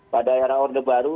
pada era orde baru